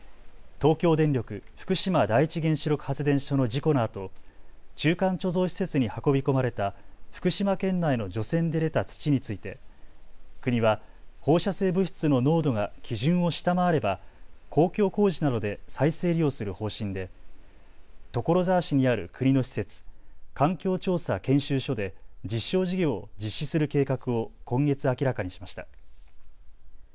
東京電力福島第一原子力発電所の事故のあと中間貯蔵施設に運び込まれた福島県内の除染で出た土について国は放射性物質の濃度が基準を下回れば公共工事などで再生利用する方針で所沢市にある国の施設、環境調査研修所で実証事業を実施する計画を今月、明らかにしました。